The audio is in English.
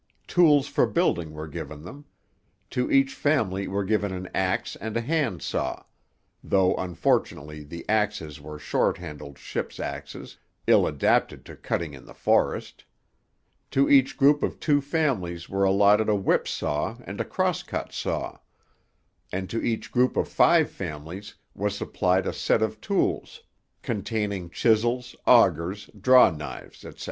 Tools for building were given them: to each family were given an ax and a hand saw, though unfortunately the axes were short handled ship's axes, ill adapted to cutting in the forest; to each group of two families were allotted a whip saw and a cross cut saw; and to each group of five families was supplied a set of tools, containing chisels, augers, draw knives, etc.